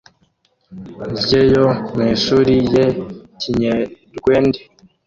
ryeyo meshuri ye kinyerwende